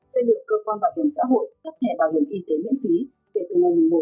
sẽ được cơ quan bảo hiểm xã hội cấp thẻ bảo hiểm y tế miễn phí kể từ ngày một một hai nghìn hai mươi hai